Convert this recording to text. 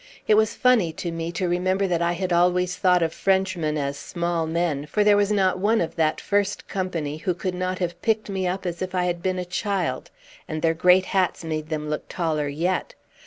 It was funny to me to remember that I had always thought of Frenchmen as small men; for there was not one of that first company who could not have picked me up as if I had been a child, and their great hats made them look taller yet.